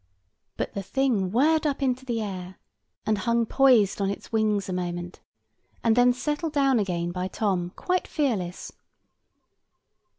But the thing whirred up into the air, and hung poised on its wings a moment, and then settled down again by Tom quite fearless.